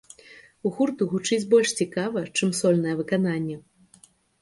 Гурт гучыць больш цікава, чым сольнае выкананне.